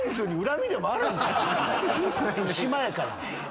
島やから。